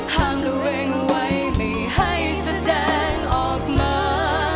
ห้ามระเวงไว้ไม่ให้แสดงออกมา